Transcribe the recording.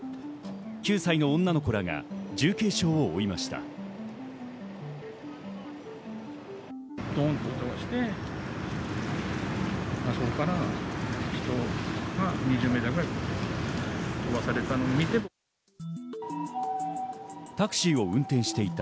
９歳の女の子らが重軽傷を負いました。